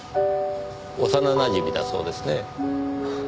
幼なじみだそうですね。